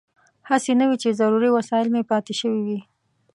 هسې نه وي چې ضروري وسایل مې پاتې شوي وي.